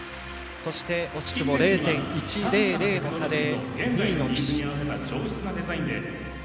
惜しくも０．１００の差で２位の岸。